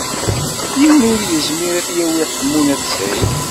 Yiwen ur yezmir ad yawi Ḥemmu n At Sɛid.